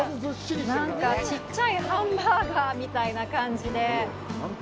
なんか、ちっちゃいハンバーガーみたいな感じで。